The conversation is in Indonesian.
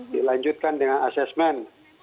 dilanjutkan dengan asesmen